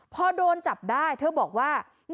พอโดนจับได้เธอบอกว่า